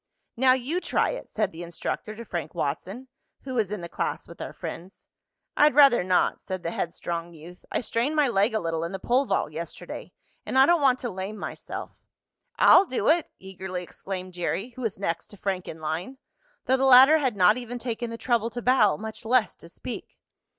"Now you try it," said the instructor to Frank Watson, who was in the class with our friends. "I'd rather not," said the headstrong youth. "I strained my leg a little in the pole vault yesterday, and I don't want to lame myself." "I'll do it!" eagerly exclaimed Jerry, who was next to Frank in line, though the latter had not even taken the trouble to bow, much less to speak.